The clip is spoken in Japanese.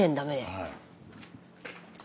はい。